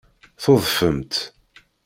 Tudfemt.